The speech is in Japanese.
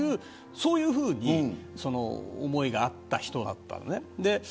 そういうふうな思いがあった人だったのね。